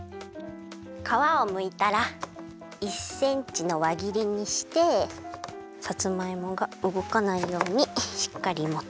かわをむいたら１センチのわぎりにしてさつまいもがうごかないようにしっかりもって。